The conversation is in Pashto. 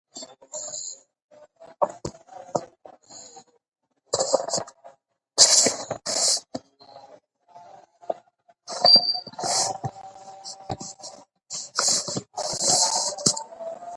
لمریز ځواک د افغانستان د ملي هویت نښه ده.